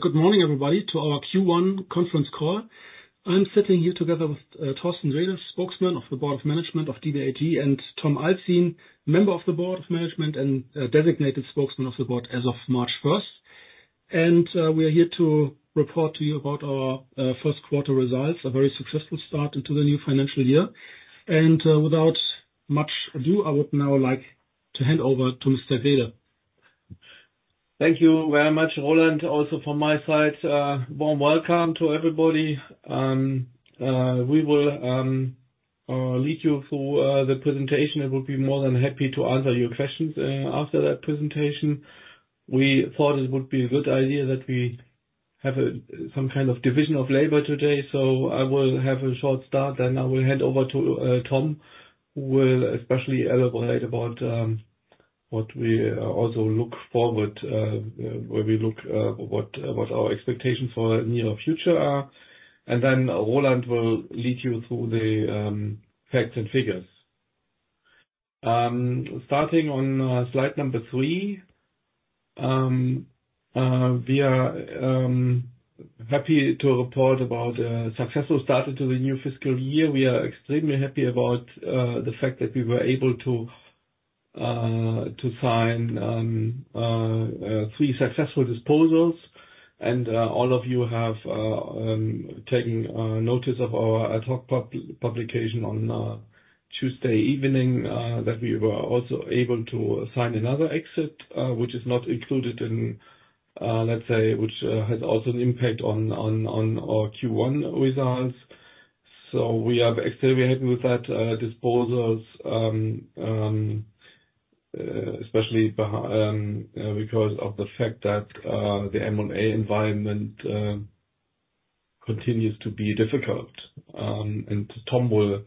Good morning, everybody, to our Q1 conference call. I'm sitting here together with Torsten Grede, Spokesman of the Board of Management of DBAG, and Tom Alzin, Member of the Board of Management and designated Spokesman of the Board as of March 1st. We are here to report to you about our first quarter results, a very successful start into the new financial year. Without much ado, I would now like to hand over to Mr. Grede. Thank you very much, Roland. Also from my side, warm welcome to everybody. We will lead you through the presentation and will be more than happy to answer your questions after that presentation. We thought it would be a good idea that we have some kind of division of labor today. I will have a short start, then I will hand over to Tom, who will especially elaborate about what we also look forward, where we look, what our expectations for the near future are. Roland will lead you through the facts and figures. Starting on slide number three. We are happy to report about a successful start into the new fiscal year. We are extremely happy about the fact that we were able to sign three successful disposals. All of you have taken notice of our ad hoc publication on Tuesday evening that we were also able to sign another exit, which is not included in, let's say, which has also an impact on our Q1 results. We are extremely happy with that disposals. Especially because of the fact that the M&A environment continues to be difficult. Tom will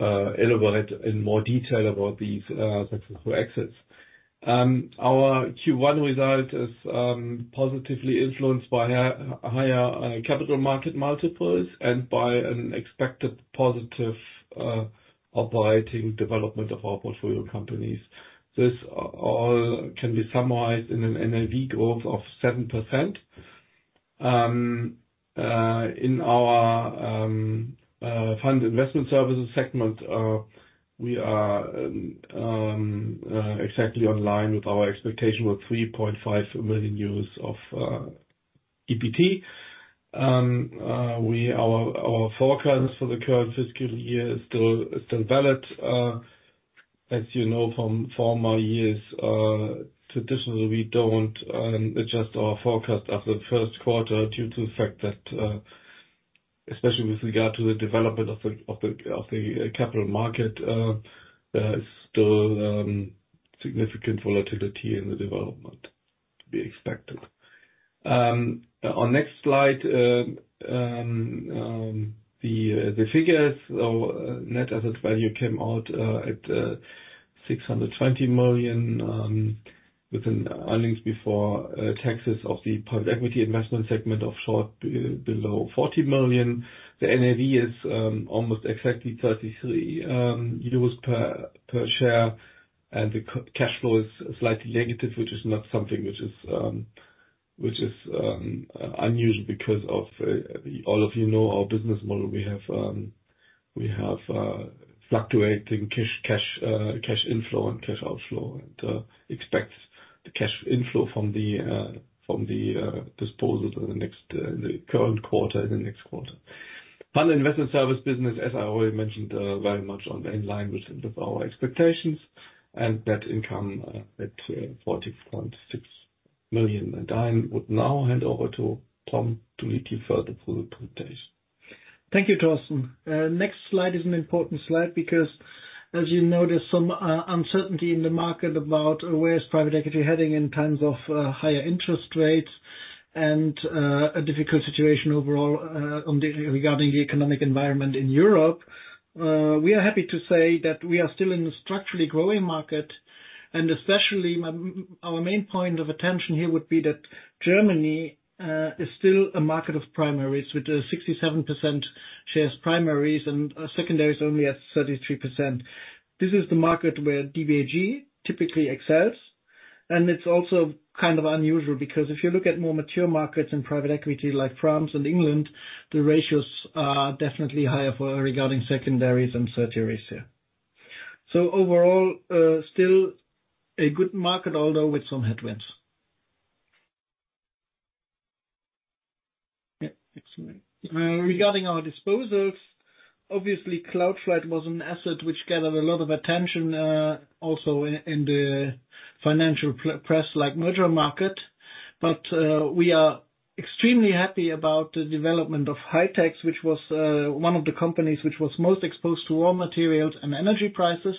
elaborate in more detail about these successful exits. Our Q1 result is positively influenced by higher capital market multiples and by an expected positive operating development of our portfolio companies. This all can be summarized in an NAV growth of 7%. In our Fund Investment Services segment, we are exactly on line with our expectation of 3.5 million euros of EBT. Our forecast for the current fiscal year is still valid. As you know from former years, traditionally, we don't adjust our forecast after the first quarter due to the fact that, especially with regard to the development of the capital market, still significant volatility in the development to be expected. On next slide, the figures or net asset-value came out at 620 million with an earnings before taxes of the Private Equity Investment segment of short below 40 million. The NAV is almost exactly 33 euros per share, and the cash flow is slightly negative, which is not something which is unusual because of all of you know our business model. We have fluctuating cash inflow and cash outflow, and expect the cash inflow from the disposal to the next the current quarter and the next quarter. Fund Investment Services business, as I already mentioned, very much on line with our expectations and net income at 40.6 million. I would now hand over to Tom to lead you further through the presentation. Thank you, Torsten. Next slide is an important slide because as you know, there's some uncertainty in the market about where is private equity heading in terms of higher interest rates and a difficult situation overall regarding the economic environment in Europe. We are happy to say that we are still in a structurally growing market. Especially, our main point of attention here would be that Germany is still a market of primaries, with 67% shares primaries and secondaries only at 33%. This is the market where DBAG typically excels, and it's also kind of unusual because if you look at more mature markets in private equity like France and England, the ratios are definitely higher for regarding secondaries and tertiaries here. Overall, still a good market, although with some headwinds. Yeah. Excellent. Regarding our disposals, obviously Cloudflight was an asset which gathered a lot of attention, also in the financial press like Mergermarket. We are extremely happy about the development of Heytex, which was one of the companies which was most exposed to raw materials and energy prices,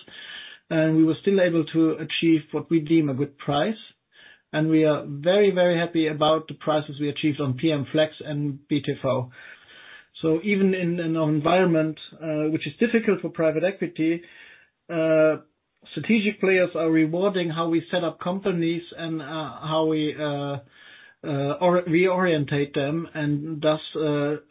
and we were still able to achieve what we deem a good price. We are very happy about the prices we achieved on Pmflex and BTV. Even in an environment which is difficult for private equity, strategic players are rewarding how we set up companies and how we reorientate them. Thus,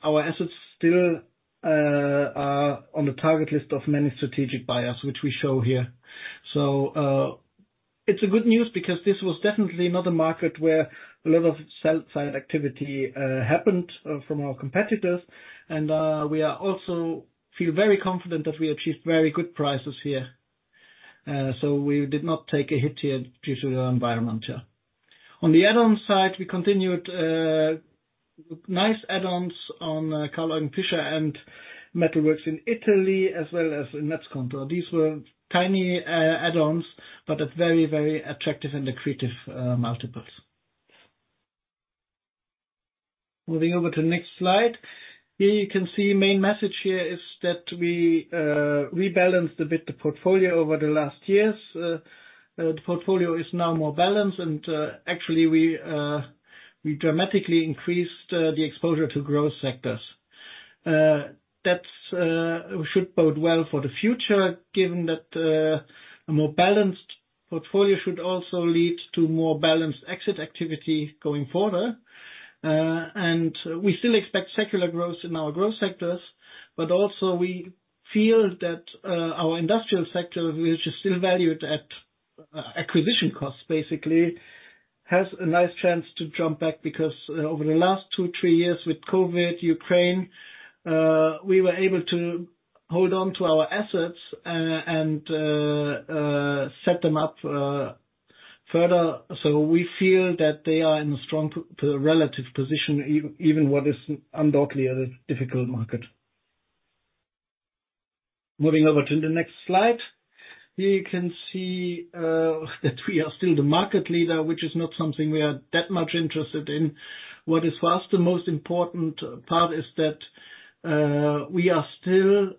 our assets still on the target list of many strategic buyers, which we show here. It's a good news because this was definitely not a market where a lot of sell-side activity happened from our competitors. We are also feel very confident that we achieved very good prices here. We did not take a hit here due to the environment, yeah. On the add-on side, we continued nice add-ons on Karl Eugen Fischer and Metalworks in Italy as well as in Netzkontor. These were tiny add-ons, at very, very attractive and accretive multiples. Moving over to the next slide. Here you can see main message here is that we rebalanced a bit the portfolio over the last years. The portfolio is now more balanced actually we dramatically increased the exposure to growth sectors. That's should bode well for the future, given that a more balanced portfolio should also lead to more balanced exit activity going forward. We still expect secular growth in our growth sectors, but also we feel that our industrial sector, which is still valued at acquisition costs basically, has a nice chance to jump back because over the last two to three years with COVID, Ukraine, we were able to hold on to our assets and set them up further. We feel that they are in a strong relative position even what is undoubtedly a difficult market. Moving over to the next slide. Here you can see that we are still the market leader, which is not something we are that much interested in. What is for us the most important part is that we are still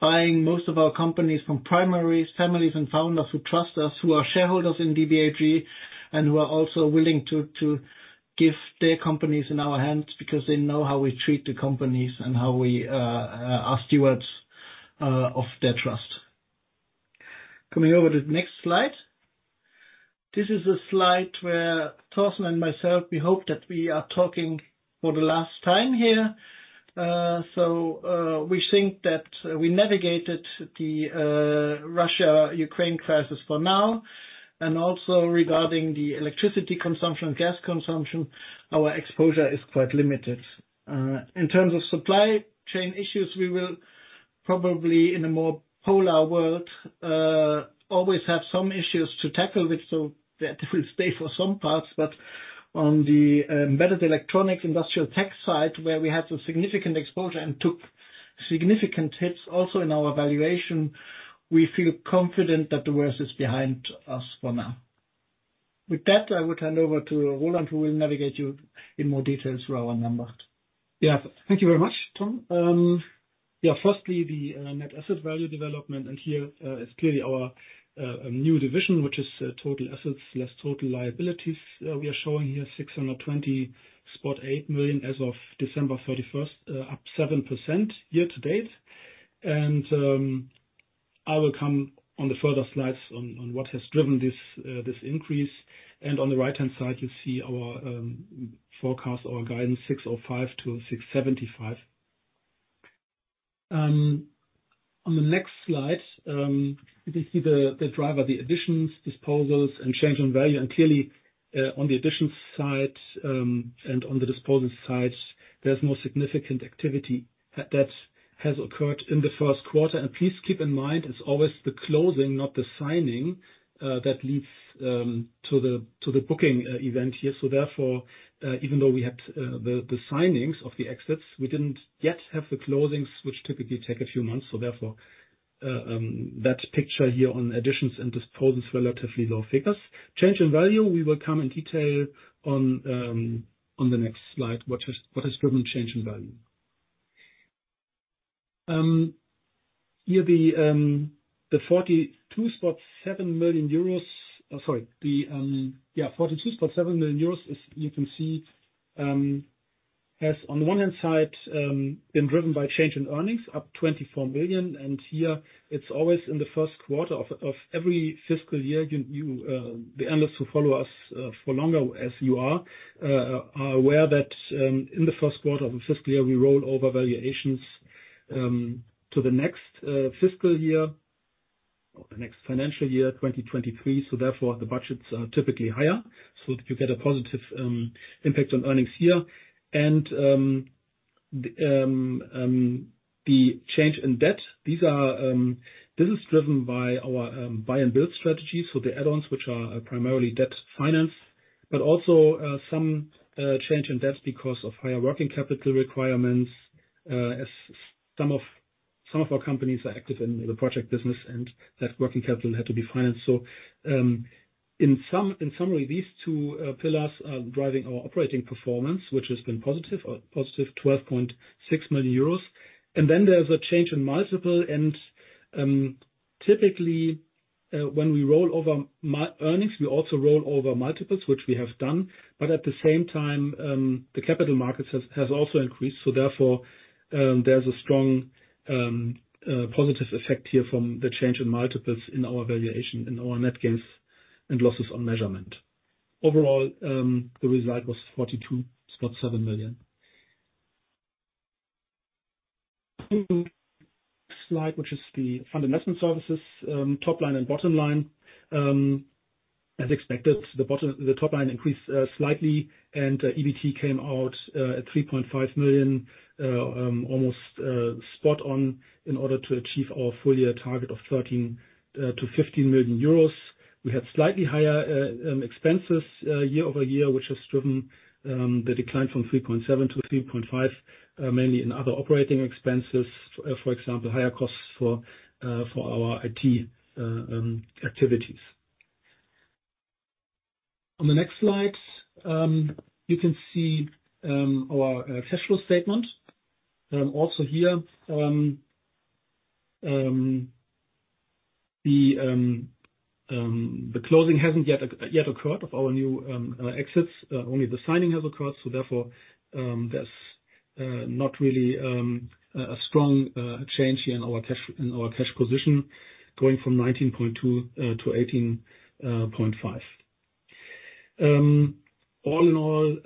buying most of our companies from primaries, families, and founders who trust us, who are shareholders in DBAG, and who are also willing to give their companies in our hands because they know how we treat the companies and how we are stewards of their trust. Coming over to the next slide. This is a slide where Torsten and myself, we hope that we are talking for the last time here. We think that we navigated the Russia-Ukraine crisis for now, and also regarding the electricity consumption, gas consumption, our exposure is quite limited. In terms of supply chain issues, we will probably, in a more polar world, always have some issues to tackle with, that will stay for some parts. On the embedded electronics industrial tech side, where we had some significant exposure and took significant hits also in our valuation, we feel confident that the worst is behind us for now. With that, I would hand over to Roland, who will navigate you in more details through our numbers. Yeah. Thank you very much, Tom. Firstly, the net asset-value development, and here is clearly our new division, which is total assets less total liabilities. We are showing here 620.8 million as of December 31st, up 7% year to date. I will come on the further slides on what has driven this increase. On the right-hand side, you see our forecast, our guidance, 605 million-675 million. On the next slide, you can see the driver, the additions, disposals, and change in value. Clearly, on the additions side, and on the disposals side, there's more significant activity that has occurred in the first quarter. Please keep in mind, it's always the closing, not the signing, that leads to the booking event here. Therefore, even though we had the signings of the exits, we didn't yet have the closings, which typically take a few months. Therefore, that picture here on additions and disposals, relatively low figures. Change in value, we will come in detail on the next slide, what has driven change in value. Here the EUR 42.7 million, as you can see, has on one hand been driven by change in earnings up 24 million. Here it's always in the first quarter of every fiscal year, the analysts who follow us for longer as you are aware that in the first quarter of the fiscal year, we roll over valuations to the next fiscal year or the next financial year, 2023. Therefore, the budgets are typically higher, so you get a positive impact on earnings here. The change in debt, these are, this is driven by our buy and build strategy, so the add-ons which are primarily debt finance, but also some change in debt because of higher working capital requirements, as some of our companies are active in the project business and that working capital had to be financed. In sum, in summary, these two pillars are driving our operating performance, which has been positive 12.6 million euros. There's a change in multiple and typically, when we roll over earnings, we also roll over multiples, which we have done. At the same time, the capital markets has also increased, therefore, there's a strong positive effect here from the change in multiples in our valuation, in our net gains and losses on measurement. Overall, the result was 42.7 million. Slide, which is the Fund Investment Services, top line and bottom line. As expected, the top line increased slightly and EBT came out at 3.5 million, almost spot on in order to achieve our full year target of 13 million-15 million euros. We had slightly higher expenses year-over-year, which has driven the decline from 3.7 million to 3.5 million, mainly in other operating expenses, for example, higher costs for our IT activities. On the next slide, you can see our cash flow statement. Also here, the closing hasn't yet occurred of our new exits. Only the signing has occurred, so therefore, there's not really a strong change here in our cash, in our cash position going from 19.2 million to 18.5 million. All in all,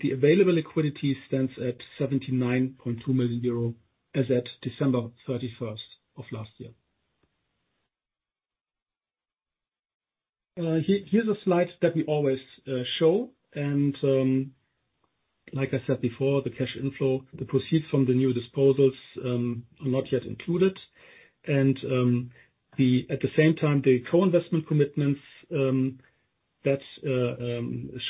the available liquidity stands at 79.2 million euro as at December 31st of last year. Here's a slide that we always show and, like I said before, the cash inflow, the proceeds from the new disposals, are not yet included. At the same time, the co-investment commitments, that's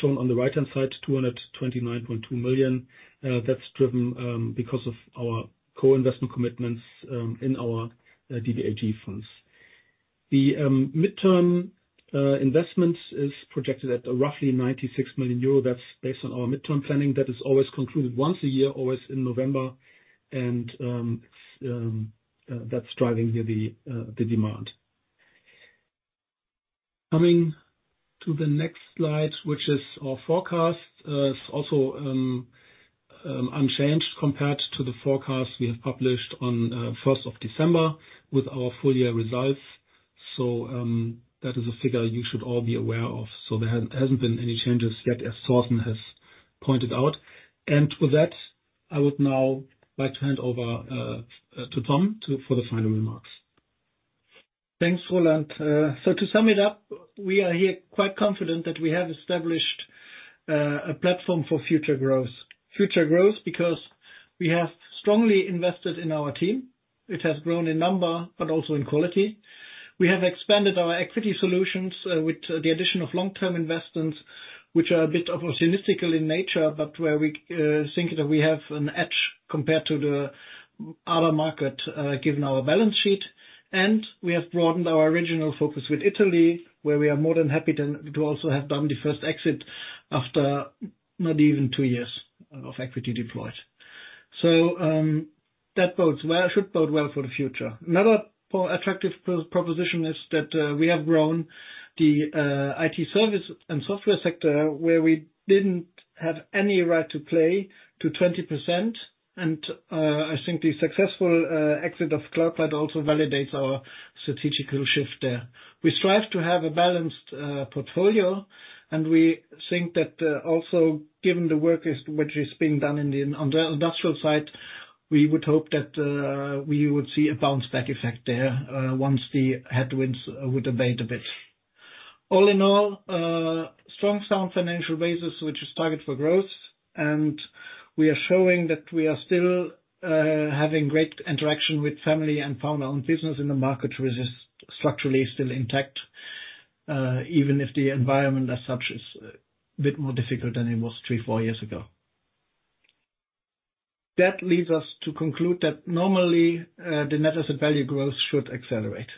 shown on the right-hand side, 229.2 million. That's driven because of our co-investment commitments in our DBAG funds. The mid-term investments is projected at roughly 96 million euro. That's based on our mid-term planning. That is always concluded once a year, always in November. That's driving here the demand. Coming to the next slide, which is our forecast. It's also unchanged compared to the forecast we have published on December 1st with our full year results. That is a figure you should all be aware of. There hasn't been any changes yet, as Torsten has pointed out. With that, I would now like to hand over to Tom for the final remarks. Thanks, Roland. To sum it up, we are here quite confident that we have established a platform for future growth. Future growth because we have strongly invested in our team, which has grown in number, but also in quality. We have expanded our equity solutions with the addition of long-term investments, which are a bit opportunistical in nature, but where we think that we have an edge compared to the other market given our balance sheet. We have broadened our original focus with Italy, where we are more than happy to also have done the first exit after not even two years of equity deployed. That should bode well for the future. Another attractive proposition is that we have grown the IT service and software sector, where we didn't have any right to play to 20%. I think the successful exit of Cloudflight also validates our strategic shift there. We strive to have a balanced portfolio, and we think that also given the work which is being done on the industrial side, we would hope that we would see a bounce back effect there once the headwinds would abate a bit. All in all, strong, sound financial basis, which is targeted for growth. We are showing that we are still having great interaction with family and founder-owned business in the market, which is structurally still intact, even if the environment as such is a bit more difficult than it was three, four years ago. That leads us to conclude that normally, the net asset-value growth should accelerate.